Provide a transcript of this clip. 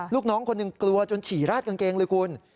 ลูกน้องคนหนึ่งกลัวจนฉี่ราดกางเกงเลยคุณ